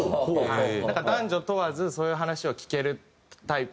なんか男女問わずそういう話を聞けるタイプのようで。